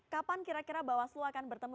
kapan kira kira bawaslu akan bertemu